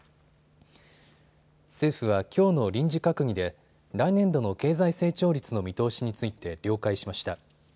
政府はきょうの臨時閣議で来年度の経済成長率の見通しについて了解しました。